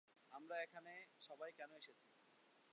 আমরা এখানে সবাই কেন এসেছি?